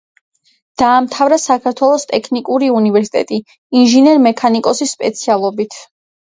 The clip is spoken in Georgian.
დაამთავრა საქართველოს ტექნიკური უნივერსიტეტი ინჟინერ-მექანიკოსის სპეციალობით.